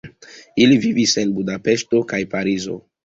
Ili vivis en Bukareŝto kaj Parizo.